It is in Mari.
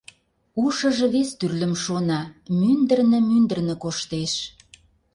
Ушыжо вес тӱрлым шона, мӱндырнӧ-мӱндырнӧ коштеш.